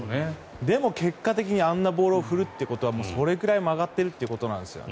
でも結果的にあんなボールを振るってことはそれくらい曲がってるってことなんですよね。